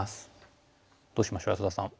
どうしましょう安田さん。